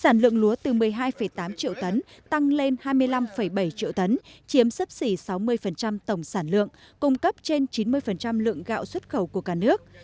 sản lượng lúa từ một mươi hai tám triệu tấn tăng lên hai mươi năm bảy triệu tấn chiếm sấp xỉ sáu mươi tổng sản lượng cung cấp trên chín mươi lượng gạo xuất khẩu của cả nước